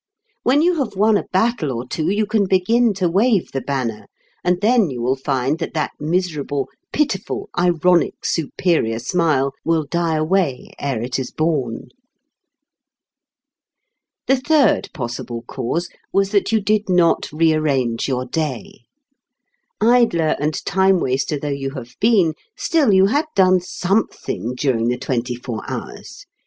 When you have won a battle or two you can begin to wave the banner, and then you will find that that miserable, pitiful, ironic, superior smile will die away ere it is born. The third possible cause was that you did not rearrange your day. Idler and time waster though you have been, still you had done something during the twenty four hours.